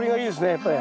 やっぱり。